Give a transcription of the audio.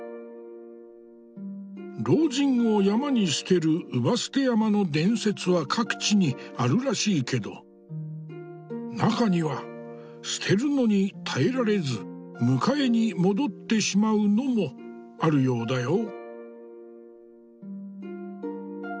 老人を山に捨てる姥捨山の伝説は各地にあるらしいけど中には捨てるのに耐えられず迎えに戻ってしまうのもあるようだよ。